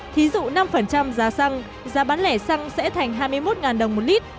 thí dụ năm giá xăng giá bán lẻ xăng sẽ thành hai mươi một đồng một lít